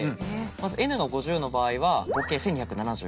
まずｎが５０の場合は合計１，２７５。